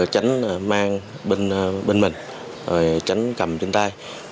tránh mang bên mình tránh cầm trên tay